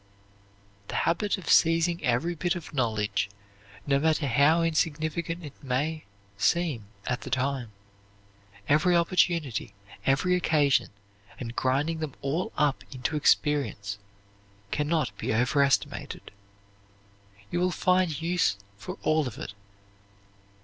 The habit of seizing every bit of knowledge, no matter how insignificant it may seem at the time, every opportunity, every occasion, and grinding them all up into experience, can not be overestimated. You will find use for all of it.